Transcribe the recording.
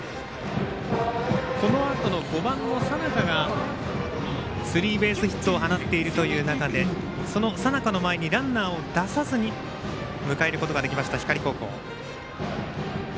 このあとの５番の佐仲がスリーベースヒットを放っているという中でその佐仲の前にランナーを出さずに迎えることができました、光高校。